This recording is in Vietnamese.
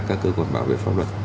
các cơ quan bảo vệ pháp luật